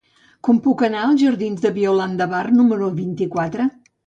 Com puc anar als jardins de Violant de Bar número vint-i-quatre?